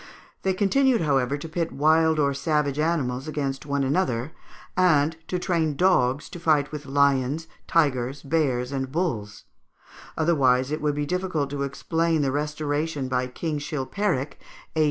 They continued, however, to pit wild or savage animals against one another, and to train dogs to fight with lions, tigers, bears, and bulls; otherwise it would be difficult to explain the restoration by King Chilpéric (A.